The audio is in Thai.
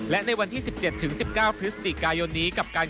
แล้วเราไปรีบกัน